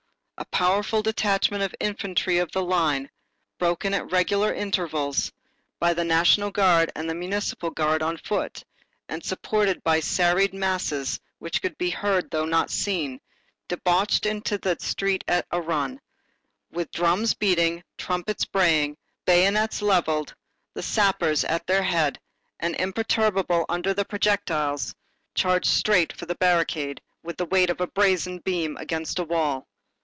A powerful detachment of infantry of the line, broken at regular intervals, by the National Guard and the Municipal Guard on foot, and supported by serried masses which could be heard though not seen, debauched into the street at a run, with drums beating, trumpets braying, bayonets levelled, the sappers at their head, and, imperturbable under the projectiles, charged straight for the barricade with the weight of a brazen beam against a wall.